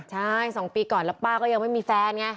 ใช่๒ปีก่อนแล้วป้าก็ยังไม่มีแฟนไง